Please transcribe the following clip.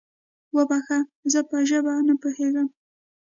وبخښه، زه په ژبه نه پوهېږم؟